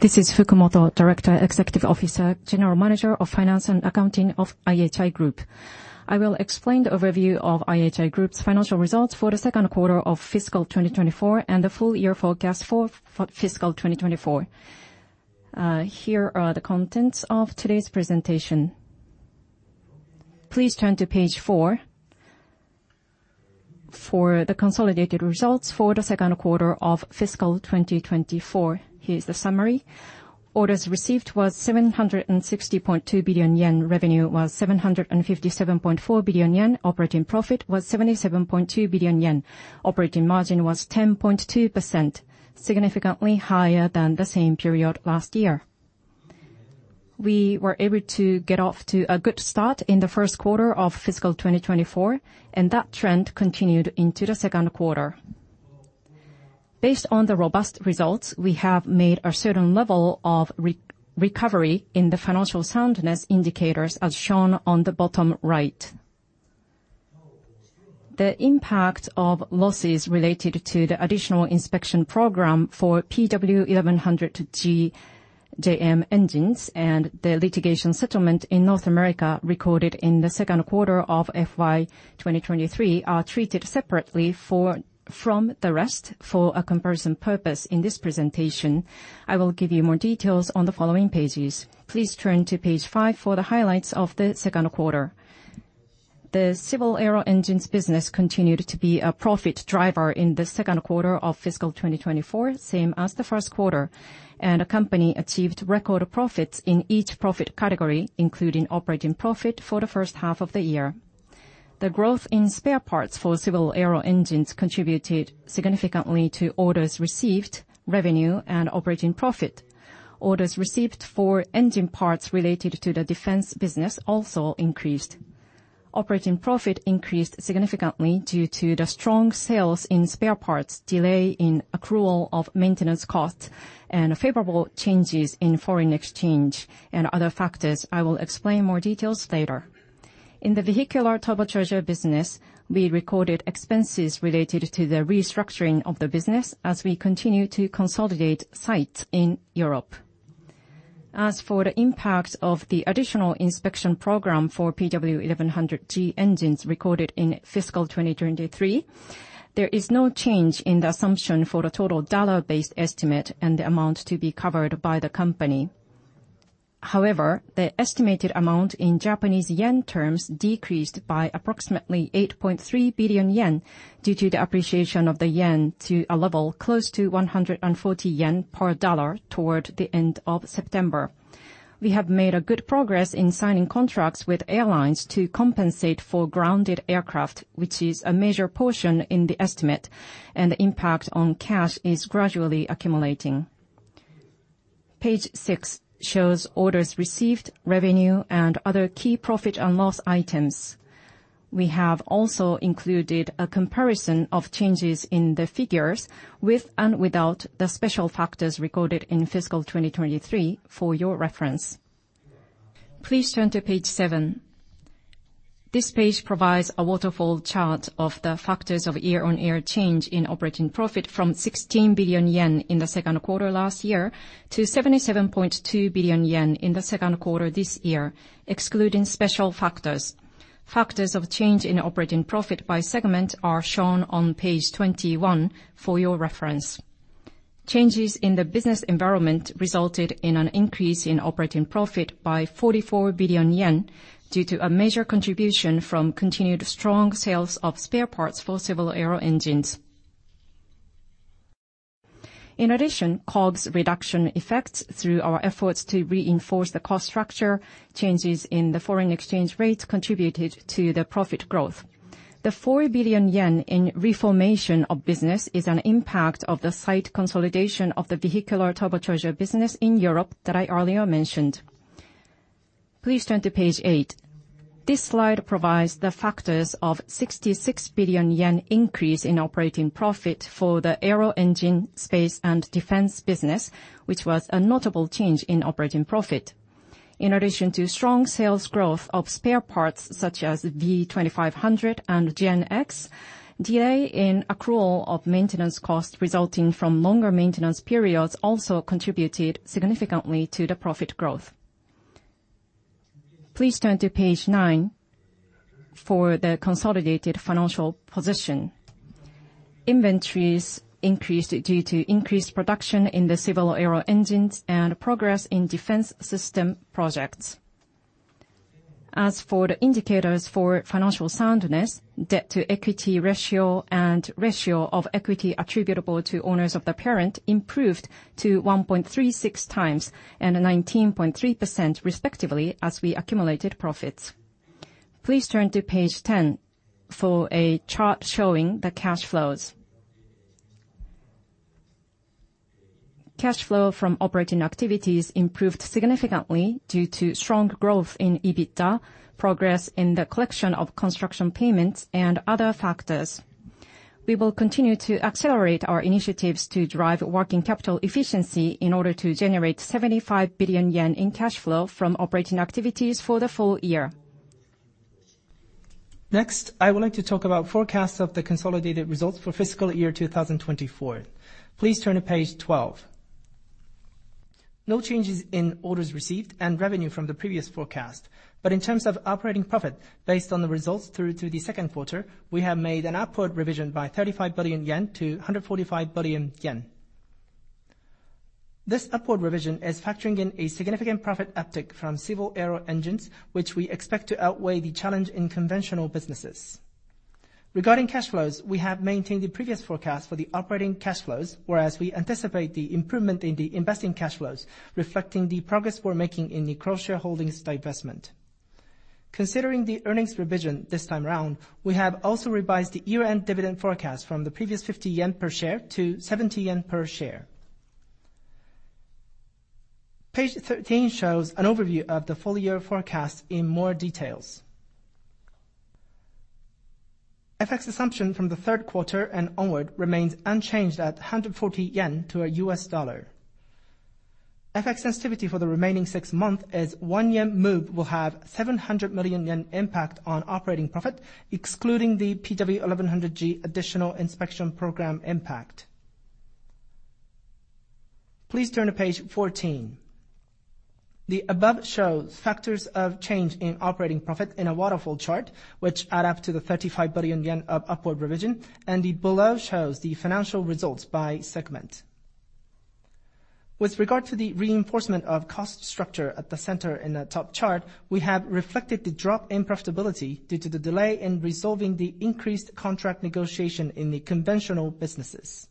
This is Fukumoto, Director, Executive Officer, General Manager of Finance and Accounting of IHI Group. I will explain the overview of IHI Group's financial results for the second quarter of fiscal 2024 and the full-year forecast for fiscal 2024. Here are the contents of today's presentation. Please turn to page four for the consolidated results for the second quarter of fiscal 2024. Here is the summary. Orders received was 760.2 billion yen. Revenue was 757.4 billion yen. Operating profit was 77.2 billion yen. Operating margin was 10.2%, significantly higher than the same period last year. We were able to get off to a good start in the first quarter of fiscal 2024. That trend continued into the second quarter. Based on the robust results, we have made a certain level of recovery in the financial soundness indicators as shown on the bottom right. The impact of losses related to the additional inspection program for PW1100G-JM engines and the litigation settlement in North America recorded in the second quarter of fiscal 2023 are treated separately from the rest for a comparison purpose in this presentation. I will give you more details on the following pages. Please turn to page five for the highlights of the second quarter. The civil aero engines business continued to be a profit driver in the second quarter of fiscal 2024, same as the first quarter. The company achieved record profits in each profit category, including operating profit for the first half of the year. The growth in spare parts for civil aero engines contributed significantly to orders received, revenue, and operating profit. Orders received for engine parts related to the defense business also increased. Operating profit increased significantly due to the strong sales in spare parts, delay in accrual of maintenance costs. Favorable changes in foreign exchange and other factors. I will explain more details later. In the vehicular turbocharger business, we recorded expenses related to the restructuring of the business as we continue to consolidate sites in Europe. As for the impact of the additional inspection program for PW1100G engines recorded in fiscal 2023, there is no change in the assumption for the total dollar-based estimate and the amount to be covered by the company. However, the estimated amount in JPY terms decreased by approximately 8.3 billion yen due to the appreciation of the yen to a level close to 140 yen per US dollar toward the end of September. We have made good progress in signing contracts with airlines to compensate for grounded aircraft, which is a major portion in the estimate. The impact on cash is gradually accumulating. Page six shows orders received, revenue, and other key profit and loss items. We have also included a comparison of changes in the figures with and without the special factors recorded in fiscal 2023 for your reference. Please turn to page seven. This page provides a waterfall chart of the factors of year-on-year change in operating profit from 16 billion yen in the second quarter last year to 77.2 billion yen in the second quarter this year, excluding special factors. Factors of change in operating profit by segment are shown on page 21 for your reference. Changes in the business environment resulted in an increase in operating profit by 44 billion yen due to a major contribution from continued strong sales of spare parts for civil aero engines. COGS reduction effects through our efforts to reinforce the cost structure, changes in the foreign exchange rate contributed to the profit growth. The 4 billion yen in reformation of business is an impact of the site consolidation of the vehicular turbocharger business in Europe that I earlier mentioned. Please turn to page eight. This slide provides the factors of 66 billion yen increase in operating profit for the aero engine space and defense business, which was a notable change in operating profit. In addition to strong sales growth of spare parts such as V2500 and GEnx, delay in accrual of maintenance costs resulting from longer maintenance periods also contributed significantly to the profit growth. Please turn to page nine for the consolidated financial position. Inventories increased due to increased production in the civil aero engines and progress in defense system projects. As for the indicators for financial soundness, debt-to-equity ratio and ratio of equity attributable to owners of the parent improved to 1.36 times and 19.3%, respectively, as we accumulated profits. Please turn to page 10 for a chart showing the cash flows. Cash flow from operating activities improved significantly due to strong growth in EBITDA, progress in the collection of construction payments, and other factors. We will continue to accelerate our initiatives to drive working capital efficiency in order to generate 75 billion yen in cash flow from operating activities for the full year. I would like to talk about forecasts of the consolidated results for fiscal year 2024. Please turn to page 12. No changes in orders received and revenue from the previous forecast. But in terms of operating profit, based on the results through to the second quarter, we have made an upward revision by 35 billion yen to 145 billion yen. This upward revision is factoring in a significant profit uptick from civil aero engines, which we expect to outweigh the challenge in conventional businesses. Regarding cash flows, we have maintained the previous forecast for the operating cash flows, whereas we anticipate the improvement in the investing cash flows, reflecting the progress we're making in the Cross-Shareholdings divestment. Considering the earnings revision this time around, we have also revised the year-end dividend forecast from the previous 50 yen per share to 70 yen per share. Page 13 shows an overview of the full-year forecast in more details. FX assumption from the third quarter and onward remains unchanged at 140 yen to a US dollar. FX sensitivity for the remaining six months is 1 yen move will have 700 million yen impact on operating profit, excluding the PW1100G additional inspection program impact. Please turn to page 14. The above shows factors of change in operating profit in a waterfall chart, which add up to the 35 billion yen of upward revision, and the below shows the financial results by segment. With regard to the reinforcement of cost structure at the center in the top chart, we have reflected the drop in profitability due to the delay in resolving the increased contract negotiation in the conventional businesses.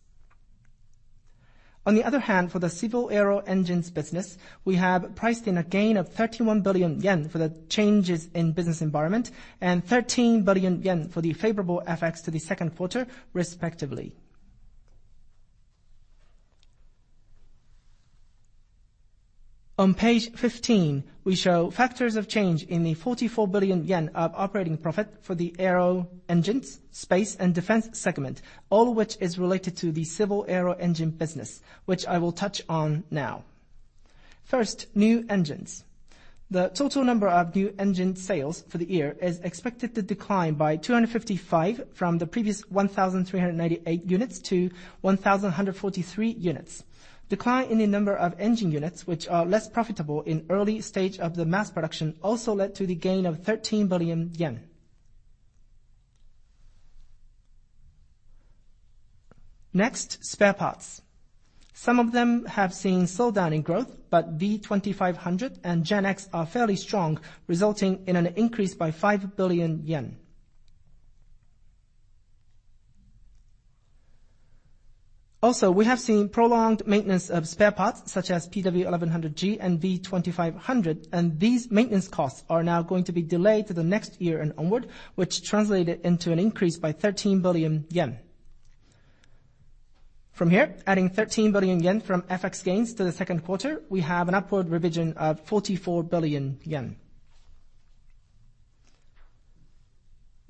On the other hand, for the civil aero engines business, we have priced in a gain of 31 billion yen for the changes in business environment and 13 billion yen for the favorable FX to the second quarter, respectively. On page 15, we show factors of change in the 44 billion yen of operating profit for the aero engines, space, and defense segment, all which is related to the civil aero engine business, which I will touch on now. First, new engines. The total number of new engine sales for the year is expected to decline by 255 from the previous 1,398 units to 1,143 units. Decline in the number of engine units, which are less profitable in early stage of the mass production, also led to the gain of 13 billion yen. Next, spare parts. Some of them have seen slowdown in growth, but V2500 and GEnx are fairly strong, resulting in an increase by 5 billion yen. We have seen prolonged maintenance of spare parts such as PW1100G and V2500, and these maintenance costs are now going to be delayed to the next year and onward, which translated into an increase by 13 billion yen. Adding 13 billion yen from FX gains to the second quarter, we have an upward revision of 44 billion yen.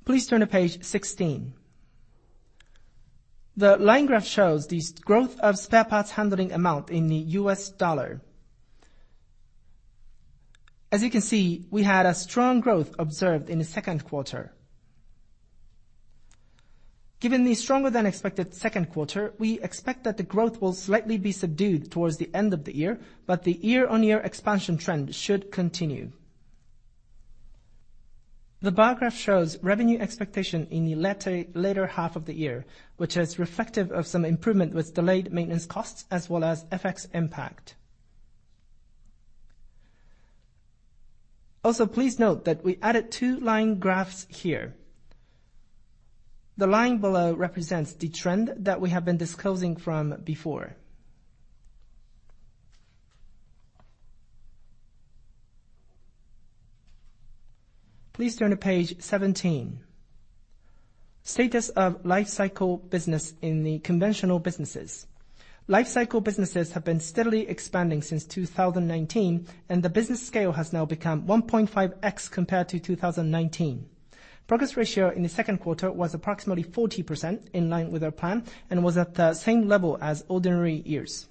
Please turn to page 16. The line graph shows this growth of spare parts handling amount in the US dollar. As you can see, we had a strong growth observed in the second quarter. Given the stronger than expected second quarter, we expect that the growth will slightly be subdued towards the end of the year, but the year-on-year expansion trend should continue. The bar graph shows revenue expectation in the later half of the year, which is reflective of some improvement with delayed maintenance costs as well as FX impact. Please note that we added two line graphs here. The line below represents the trend that we have been disclosing from before. Please turn to page 17. Status of life cycle business in the conventional businesses. Life cycle businesses have been steadily expanding since 2019, and the business scale has now become 1.5x compared to 2019. Progress ratio in the second quarter was approximately 40%, in line with our plan, and was at the same level as ordinary years.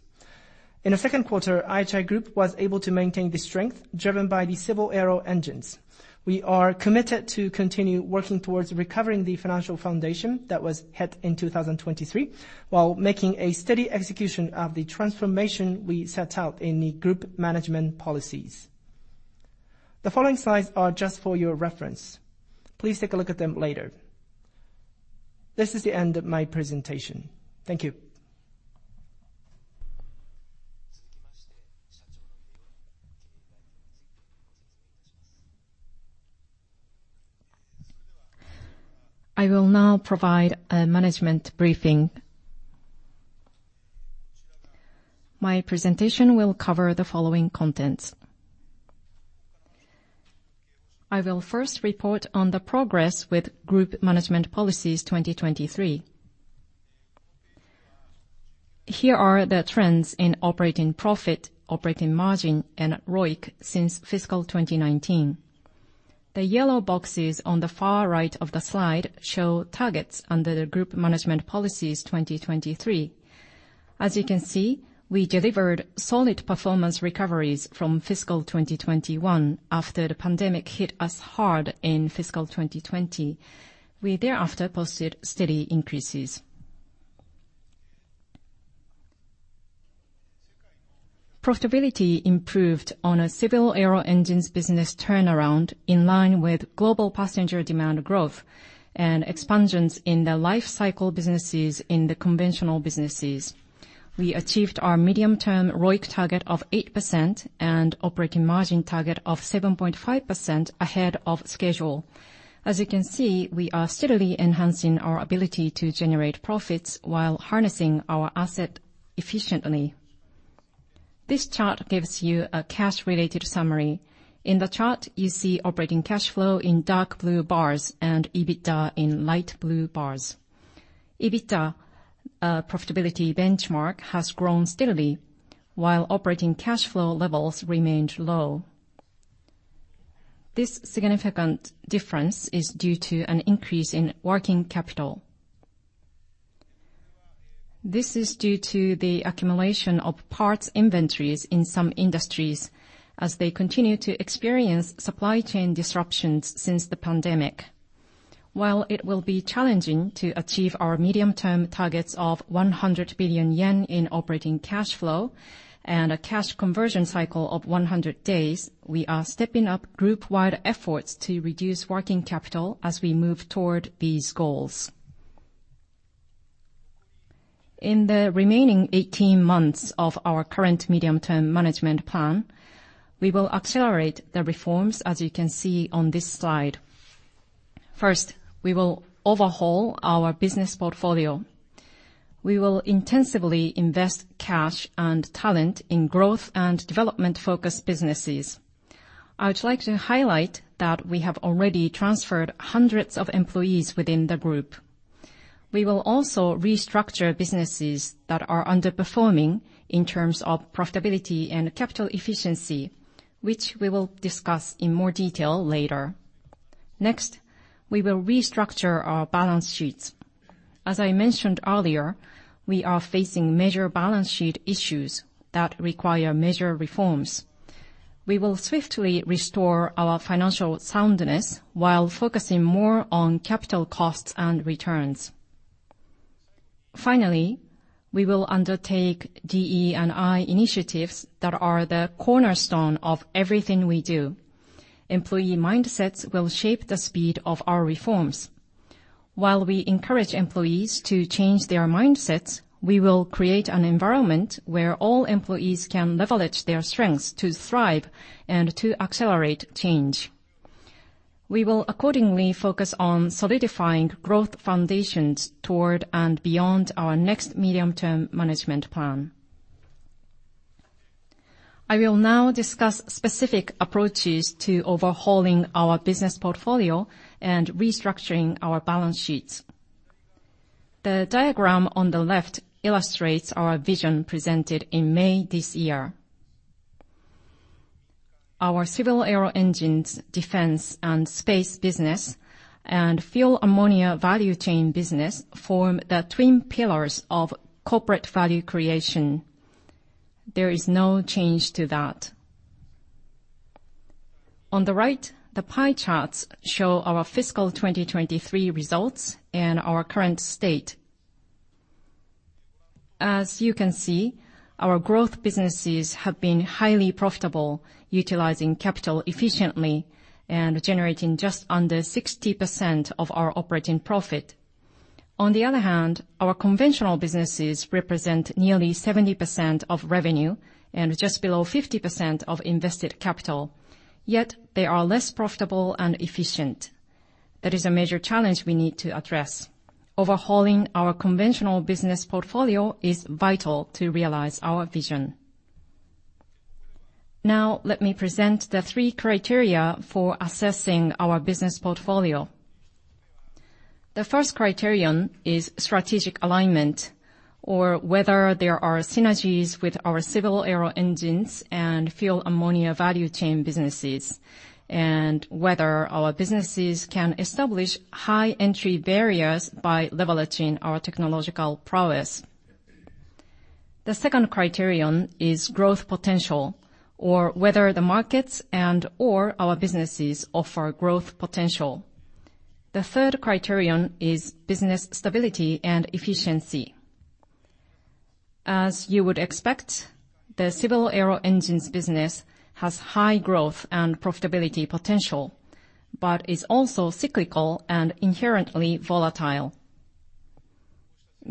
In the second quarter, IHI Group was able to maintain the strength driven by the civil aero engines. We are committed to continue working towards recovering the financial foundation that was hit in 2023 while making a steady execution of the transformation we set out in the Group Management Policies. The following slides are just for your reference. Please take a look at them later. This is the end of my presentation. Thank you. I will now provide a management briefing. My presentation will cover the following contents. I will first report on the progress with Group Management Policies 2023. Here are the trends in operating profit, operating margin, and ROIC since fiscal 2019. The yellow boxes on the far right of the slide show targets under the Group Management Policies 2023. As you can see, we delivered solid performance recoveries from fiscal 2021 after the pandemic hit us hard in fiscal 2020. We thereafter posted steady increases. Profitability improved on a civil aero engines business turnaround in line with global passenger demand growth and expansions in the life cycle businesses in the conventional businesses. We achieved our medium-term ROIC target of 8% and operating margin target of 7.5% ahead of schedule. As you can see, we are steadily enhancing our ability to generate profits while harnessing our asset efficiently. This chart gives you a cash-related summary. In the chart, you see operating cash flow in dark blue bars and EBITDA in light blue bars. EBITDA, a profitability benchmark, has grown steadily while operating cash flow levels remained low. This significant difference is due to an increase in working capital. This is due to the accumulation of parts inventories in some industries as they continue to experience supply chain disruptions since the pandemic. While it will be challenging to achieve our medium-term targets of 100 billion yen in operating cash flow and a cash conversion cycle of 100 days, we are stepping up group-wide efforts to reduce working capital as we move toward these goals. In the remaining 18 months of our current medium-term management plan, we will accelerate the reforms, as you can see on this slide. First, we will overhaul our business portfolio. We will intensively invest cash and talent in growth and development-focused businesses. I would like to highlight that we have already transferred hundreds of employees within the group. We will also restructure businesses that are underperforming in terms of profitability and capital efficiency, which we will discuss in more detail later. We will restructure our balance sheets. As I mentioned earlier, we are facing major balance sheet issues that require major reforms. We will swiftly restore our financial soundness while focusing more on capital costs and returns. We will undertake DE&I initiatives that are the cornerstone of everything we do. Employee mindsets will shape the speed of our reforms. While we encourage employees to change their mindsets, we will create an environment where all employees can leverage their strengths to thrive and to accelerate change. We will accordingly focus on solidifying growth foundations toward and beyond our next medium-term management plan. I will now discuss specific approaches to overhauling our business portfolio and restructuring our balance sheets. The diagram on the left illustrates our vision presented in May this year. Our civil aero engines, defense and space business, and fuel ammonia value chain business form the twin pillars of corporate value creation. There is no change to that. On the right, the pie charts show our fiscal 2023 results and our current state. As you can see, our growth businesses have been highly profitable, utilizing capital efficiently and generating just under 60% of our operating profit. On the other hand, our conventional businesses represent nearly 70% of revenue and just below 50% of invested capital, yet they are less profitable and efficient. That is a major challenge we need to address. Overhauling our conventional business portfolio is vital to realize our vision. Now, let me present the three criteria for assessing our business portfolio. The first criterion is strategic alignment, or whether there are synergies with our civil aero engines and fuel ammonia value chain businesses, and whether our businesses can establish high entry barriers by leveraging our technological prowess. The second criterion is growth potential, or whether the markets and/or our businesses offer growth potential. The third criterion is business stability and efficiency. As you would expect, the civil aero engines business has high growth and profitability potential but is also cyclical and inherently volatile.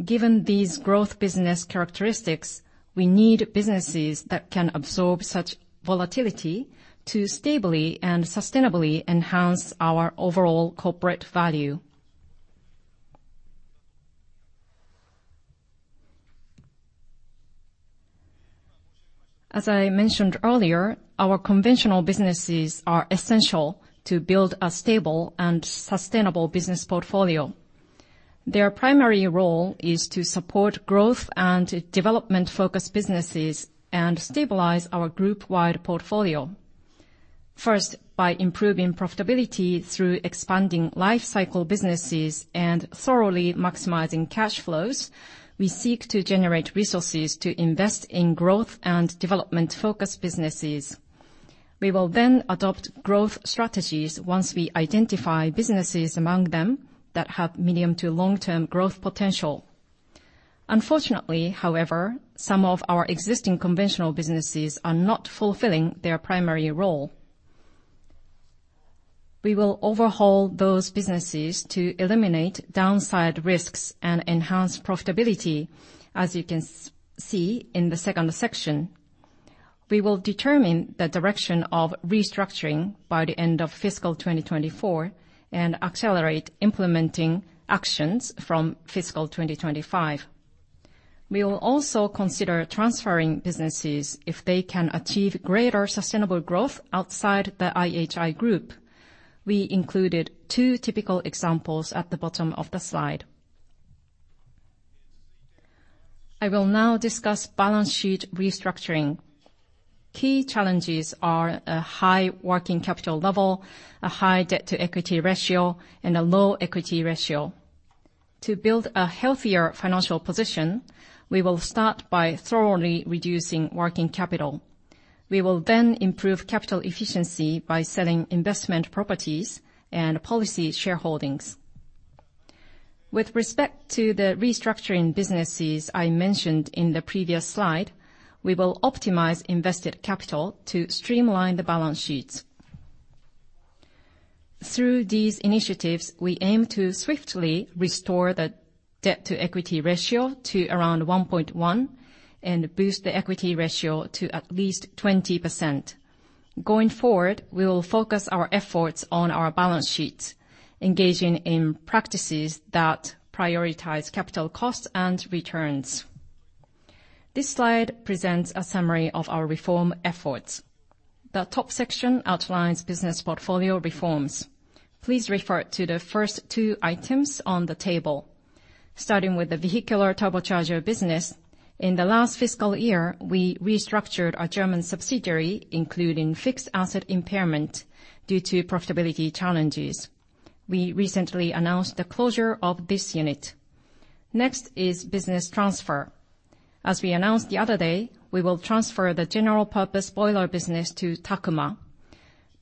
Given these growth business characteristics, we need businesses that can absorb such volatility to stably and sustainably enhance our overall corporate value. As I mentioned earlier, our conventional businesses are essential to build a stable and sustainable business portfolio. Their primary role is to support growth and development-focused businesses and stabilize our group-wide portfolio. First, by improving profitability through expanding life cycle businesses and thoroughly maximizing cash flows, we seek to generate resources to invest in growth and development-focused businesses. We will adopt growth strategies once we identify businesses among them that have medium to long-term growth potential. Unfortunately, however, some of our existing conventional businesses are not fulfilling their primary role. We will overhaul those businesses to eliminate downside risks and enhance profitability, as you can see in the second section. We will determine the direction of restructuring by the end of fiscal 2024 and accelerate implementing actions from fiscal 2025. We will also consider transferring businesses if they can achieve greater sustainable growth outside the IHI Group. We included two typical examples at the bottom of the slide. I will now discuss balance sheet restructuring. Key challenges are a high working capital level, a high debt-to-equity ratio, and a low equity ratio. To build a healthier financial position, we will start by thoroughly reducing working capital. We will improve capital efficiency by selling investment properties and policy shareholdings. With respect to the restructuring businesses I mentioned in the previous slide, we will optimize invested capital to streamline the balance sheets. Through these initiatives, we aim to swiftly restore the debt-to-equity ratio to around 1.1 and boost the equity ratio to at least 20%. Going forward, we will focus our efforts on our balance sheets, engaging in practices that prioritize capital costs and returns. This slide presents a summary of our reform efforts. The top section outlines business portfolio reforms. Please refer to the first two items on the table. Starting with the vehicular turbocharger business, in the last fiscal year, we restructured our German subsidiary, including fixed asset impairment, due to profitability challenges. We recently announced the closure of this unit. Next is business transfer. As we announced the other day, we will transfer the general purpose boiler business to Takuma.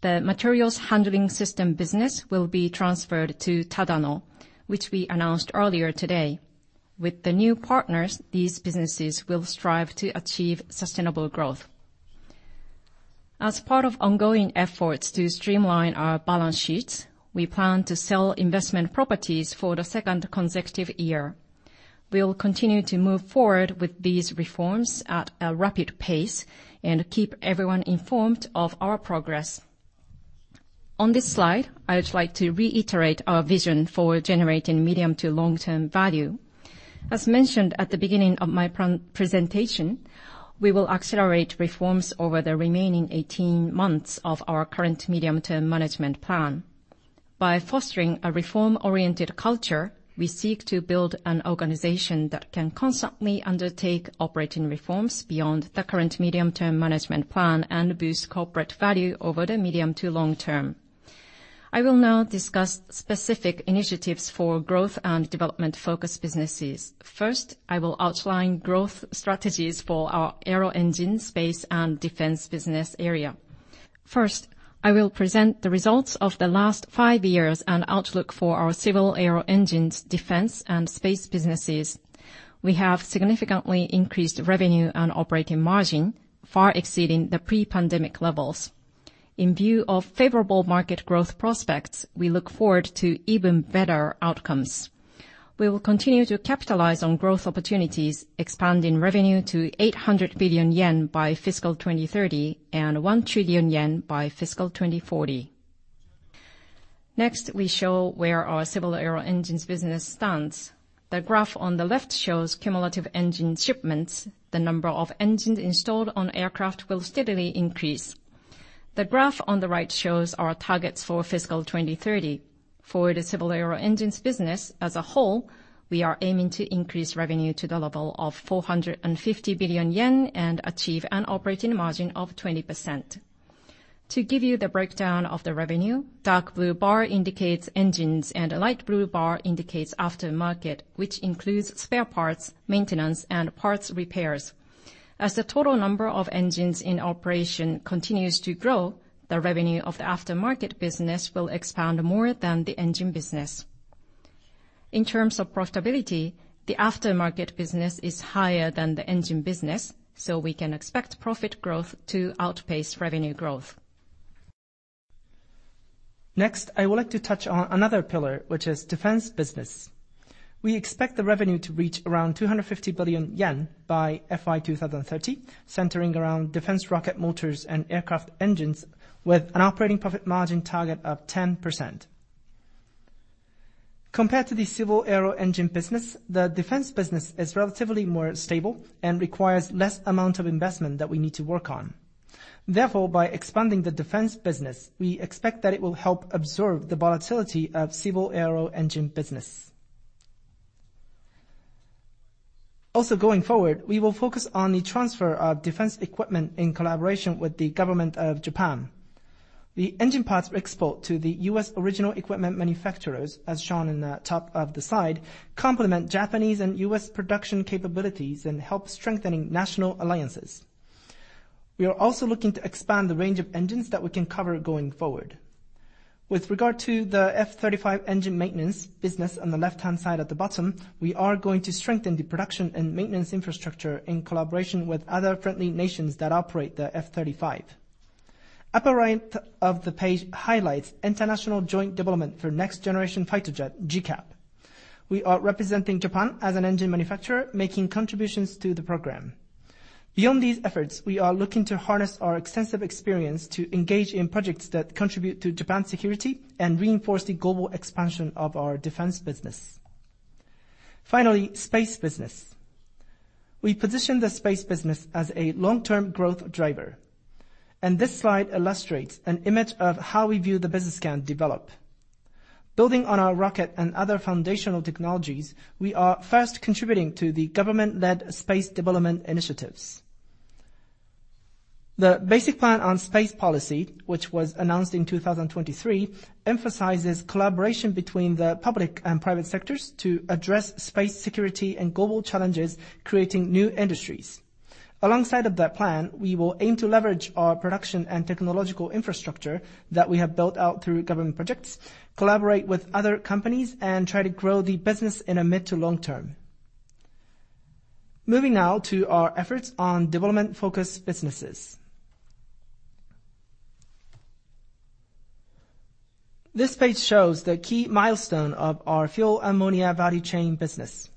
The Materials Handling System Business will be transferred to Tadano, which we announced earlier today. With the new partners, these businesses will strive to achieve sustainable growth. As part of ongoing efforts to streamline our balance sheets, we plan to sell investment properties for the second consecutive year. We will continue to move forward with these reforms at a rapid pace and keep everyone informed of our progress. On this slide, I would like to reiterate our vision for generating medium to long-term value. As mentioned at the beginning of my presentation, we will accelerate reforms over the remaining 18 months of our current medium-term management plan. By fostering a reform-oriented culture, we seek to build an organization that can constantly undertake operating reforms beyond the current medium-term management plan and boost corporate value over the medium to long term. I will now discuss specific initiatives for growth and development-focused businesses. First, I will outline growth strategies for our Aero Engine, Space, and Defense Business Area. First, I will present the results of the last five years and outlook for our civil aero engines, defense, and space businesses. We have significantly increased revenue and operating margin, far exceeding the pre-pandemic levels. In view of favorable market growth prospects, we look forward to even better outcomes. We will continue to capitalize on growth opportunities, expanding revenue to 800 billion yen by FY 2030 and 1 trillion yen by FY 2040. Next, we show where our civil aero engines business stands. The graph on the left shows cumulative engine shipments. The number of engines installed on aircraft will steadily increase. The graph on the right shows our targets for FY 2030. For the civil aero engines business as a whole, we are aiming to increase revenue to the level of 450 billion yen and achieve an operating margin of 20%. To give you the breakdown of the revenue, dark blue bar indicates engines, and a light blue bar indicates aftermarket, which includes spare parts, maintenance, and parts repairs. As the total number of engines in operation continues to grow, the revenue of the aftermarket business will expand more than the engine business. In terms of profitability, the aftermarket business is higher than the engine business, so we can expect profit growth to outpace revenue growth. Next, I would like to touch on another pillar, which is defense business. We expect the revenue to reach around 250 billion yen by FY 2030, centering around defense rocket motors and aircraft engines with an operating profit margin target of 10%. Compared to the civil aero engine business, the defense business is relatively more stable and requires less amount of investment that we need to work on. Therefore, by expanding the defense business, we expect that it will help absorb the volatility of civil aero engine business. Also going forward, we will focus on the transfer of defense equipment in collaboration with the government of Japan. The engine parts export to the U.S. original equipment manufacturers, as shown in the top of the side, complement Japanese and U.S. production capabilities and help strengthening national alliances. We are also looking to expand the range of engines that we can cover going forward. With regard to the F-35 engine maintenance business on the left-hand side at the bottom, we are going to strengthen the production and maintenance infrastructure in collaboration with other friendly nations that operate the F-35. Upper right of the page highlights international joint development for next generation fighter jet, GCAP. We are representing Japan as an engine manufacturer, making contributions to the program. Beyond these efforts, we are looking to harness our extensive experience to engage in projects that contribute to Japan's security and reinforce the global expansion of our defense business. Finally, space business. We position the space business as a long-term growth driver, and this slide illustrates an image of how we view the business can develop. Building on our rocket and other foundational technologies, we are first contributing to the government-led space development initiatives. The basic plan on space policy, which was announced in 2023, emphasizes collaboration between the public and private sectors to address space security and global challenges, creating new industries. Alongside of that plan, we will aim to leverage our production and technological infrastructure that we have built out through government projects, collaborate with other companies, and try to grow the business in a mid to long term. Moving now to our efforts on development-focused businesses. This page shows the key milestone of our fuel ammonia value chain business.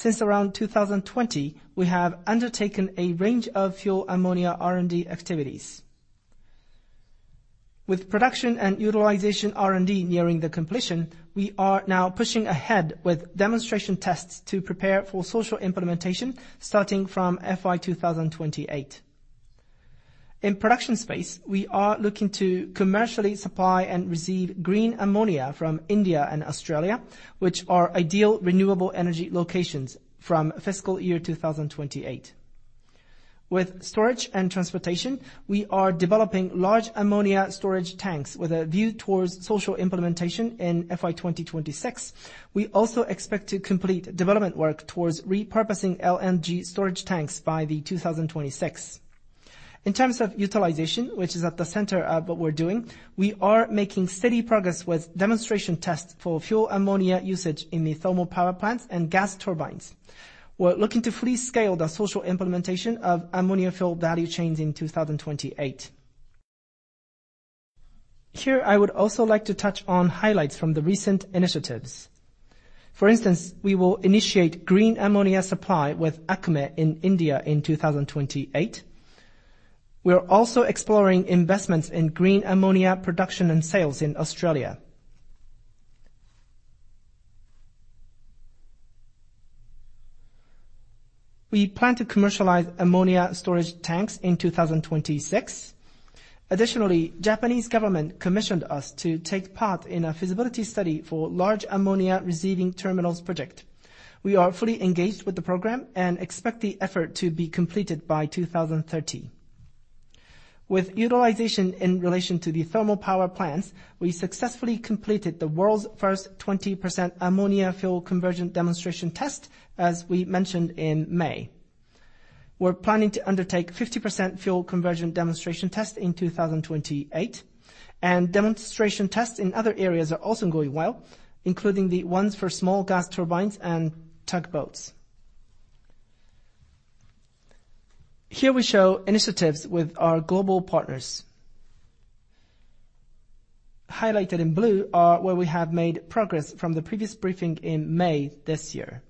Since around 2020, we have undertaken a range of fuel ammonia R&D activities. With production and utilization R&D nearing the completion, we are now pushing ahead with demonstration tests to prepare for social implementation, starting from FY 2028. In production space, we are looking to commercially supply and receive green ammonia from India and Australia, which are ideal renewable energy locations from fiscal year 2028. With storage and transportation, we are developing large ammonia storage tanks with a view towards social implementation in FY 2026. We also expect to complete development work towards repurposing LNG storage tanks by the 2026. In terms of utilization, which is at the center of what we're doing, we are making steady progress with demonstration tests for fuel ammonia usage in the thermal power plants and gas turbines. We're looking to fully scale the social implementation of ammonia fuel value chains in 2028. Here, I would also like to touch on highlights from the recent initiatives. For instance, we will initiate green ammonia supply with ACME in India in 2028. We are also exploring investments in green ammonia production and sales in Australia. We plan to commercialize ammonia storage tanks in 2026. Additionally, Japanese government commissioned us to take part in a feasibility study for large ammonia receiving terminals project. We are fully engaged with the program and expect the effort to be completed by 2030. With utilization in relation to the thermal power plants, we successfully completed the world's first 20% ammonia fuel conversion demonstration test, as we mentioned in May. We're planning to undertake 50% fuel conversion demonstration test in 2028, and demonstration tests in other areas are also going well, including the ones for small gas turbines and tugboats. Here we show initiatives with our global partners. Highlighted in blue are where we have made progress from the previous briefing in May this year.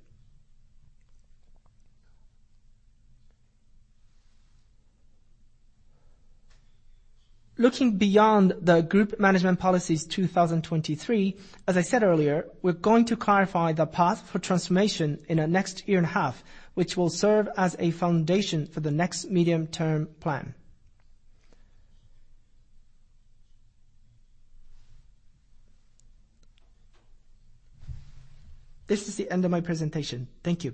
Looking beyond the Group Management Policies 2023, as I said earlier, we're going to clarify the path for transformation in the next year and a half, which will serve as a foundation for the next medium-term plan. This is the end of my presentation. Thank you.